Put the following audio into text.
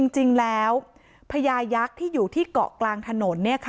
จริงแล้วพญายักษ์ที่อยู่ที่เกาะกลางถนน